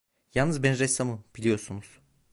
Yalnız ben ressamım, biliyorsunuz.